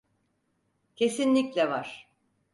Kesinlikle var.